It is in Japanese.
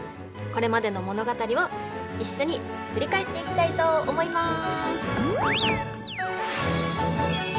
これまでの物語を一緒に振り返っていきたいと思います！